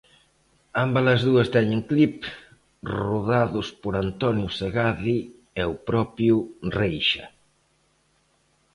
Ambas as dúas teñen clip, rodados por Antonio Segade e o propio Reixa.